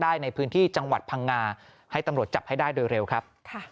ในพื้นที่จังหวัดพังงาให้ตำรวจจับให้ได้โดยเร็วครับ